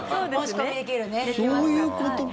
そういうことか。